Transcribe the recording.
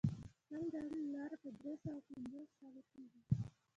سل ډالر په درې سوه پنځوس شلو کېږي.